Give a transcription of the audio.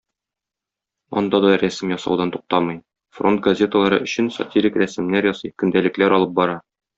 Анда да рәсем ясаудан туктамый, фронт газеталары өчен сатирик рәсемнәр ясый, көндәлекләр алып бара.